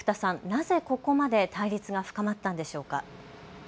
なぜここまで対立は深まったんでしょうか。